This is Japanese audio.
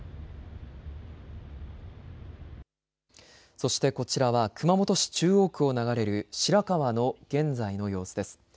そしてこちらは熊本市中央区を流れる白川の現在の様子です。